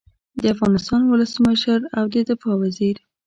د افغانستان ولسمشر او د دفاع وزیر